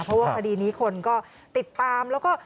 เพราะว่าคดีนี้คนก็ติดตามแล้วก็